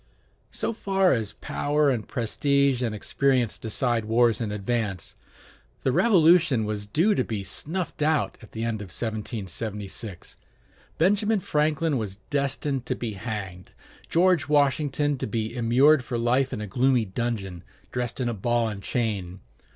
So far as power and prestige and experience decide wars in advance, the Revolution was due to be snuffed out at the end of 1776; Benjamin Franklin was destined to be hanged, George Washington to be immured for life in a gloomy dungeon, dressed in a ball and chain.